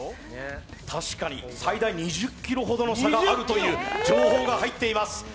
最大２０ｋｇほどの差があるという情報が入っています。